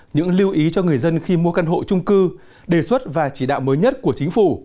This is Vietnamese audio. những lưu ý cho người dân khi mua căn hộ trung cư đề xuất và chỉ đạo mới nhất của chính phủ